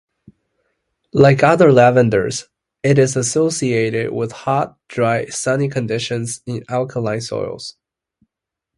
Like other lavenders, it is associated with hot, dry, sunny conditions in alkaline soils.